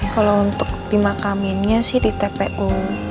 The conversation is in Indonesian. kalau untuk dimakaminnya sih di tpu